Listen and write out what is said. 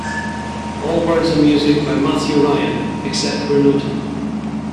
All words and music by Matthew Ryan, except where noted.